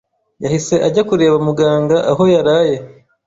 yahise ajya kureba Muganga aho yaraye.